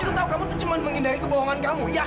aku tahu kamu tuh cuma menghindari kebohongan kamu ya kan